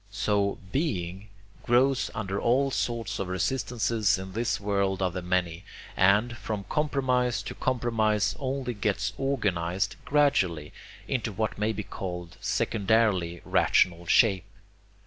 So Being grows under all sorts of resistances in this world of the many, and, from compromise to compromise, only gets organized gradually into what may be called secondarily rational shape.